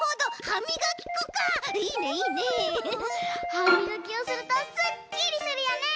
はみがきをするとすっきりするよね！